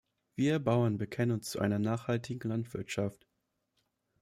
Wir Bauern bekennen uns zu einer nachhaltigen Landwirtschaft.